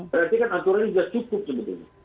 berarti kan aturan ini sudah cukup sebetulnya